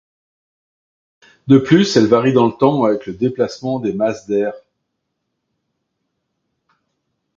De plus, elles varient dans le temps avec le déplacement des masses d'air.